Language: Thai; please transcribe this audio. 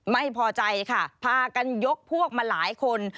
ไม่พอใจค่ะพากันยกพวกมาหลายคน